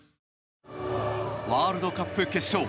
ワールドカップ決勝。